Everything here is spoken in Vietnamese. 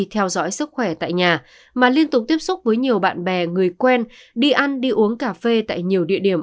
theo dõi sức khỏe tại nhà mà liên tục tiếp xúc với nhiều bạn bè người quen đi ăn đi uống cà phê tại nhiều địa điểm